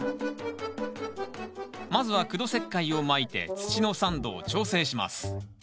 まずは苦土石灰をまいて土の酸度を調整します。